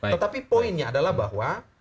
tetapi poinnya adalah bahwa